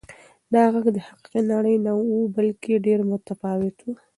دا غږ د حقیقي نړۍ نه و بلکې ډېر متفاوت و.